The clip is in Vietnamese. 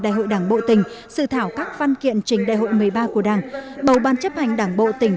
đại hội đảng bộ tình sự thảo các văn kiện trình đại hội một mươi ba của đảng bầu ban chấp hành đảng bộ tình